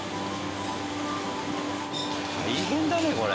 大変だねこれ。